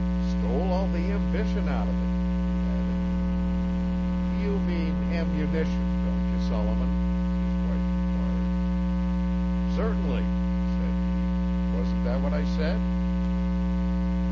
'Stole all the ambition out of it,' he added. 'You mean ammunition, don't you, Solomon?' his wife enquired. 'Certainly,' said he, 'wasn't that what I said.'